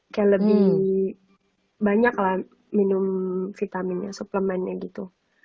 kayak lebih banyak lah minum vitaminnya suplemennya gitu